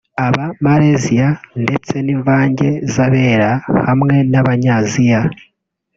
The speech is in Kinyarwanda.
aba Maleziya ndetse n’imvange z’abera hamwe n’abanyaziya